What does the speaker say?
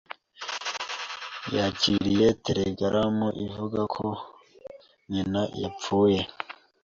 Yakiriye telegaramu ivuga ko nyina yapfuye.